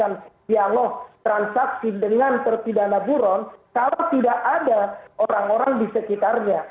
jadi kita harus melakukan dialog transaksi dengan terpidana buron kalau tidak ada orang orang di sekitarnya